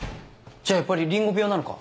じゃあやっぱりリンゴ病なのか？